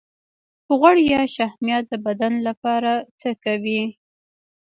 غوړ یا شحمیات د بدن لپاره څه کوي